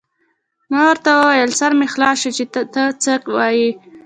ما ورته وویل: سر مې خلاص شو، چې ته څه وایې.